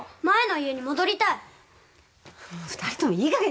前の家に戻りたい。